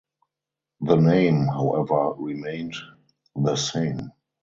The name however remained the same.